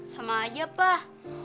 sama aja pak